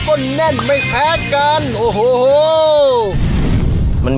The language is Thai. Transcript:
ปลาแซลมอน